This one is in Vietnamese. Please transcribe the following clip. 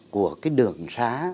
của đường xá